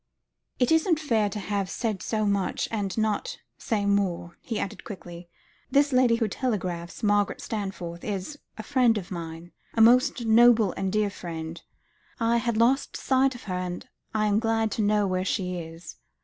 "It isn't fair to have said so much, and not to say more," he added quickly. "This lady who telegraphs Margaret Stanforth is a friend of mine, a most noble and dear friend. I had lost sight of her, and I am glad to know where she is."